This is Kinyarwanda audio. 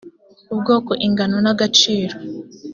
ubwoko ingano n agaciro